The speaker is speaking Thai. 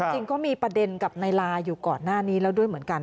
จริงก็มีประเด็นกับนายลาอยู่ก่อนหน้านี้แล้วด้วยเหมือนกัน